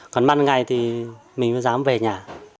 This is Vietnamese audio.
còn mặt ngày thì mình mới dám về nhà